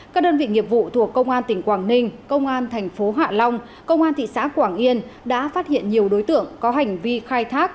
các đơn vị nghiệp vụ thuộc công an tỉnh quảng ninh công an thành phố hạ long công an thị xã quảng yên đã phát hiện nhiều đối tượng có hành vi khai thác